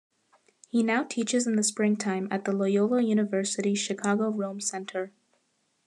He now teaches in the springtime at the Loyola University Chicago Rome Center.